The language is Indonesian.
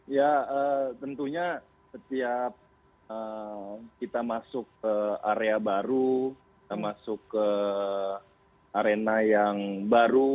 ya tentunya setiap kita masuk ke area baru kita masuk ke arena yang baru